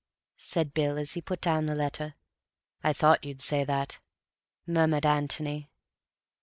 said Bill, as he put down the letter. "I thought you'd say that," murmured Antony.